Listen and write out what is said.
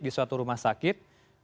di suatu rumah sakit